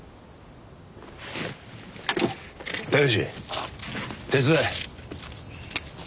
武志手伝え。